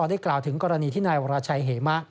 ได้กล่าวถึงกรณีที่นายวราชัยเหมะ